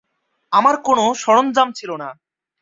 আমার কোন সরঞ্জাম ছিল না।